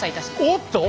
おっと？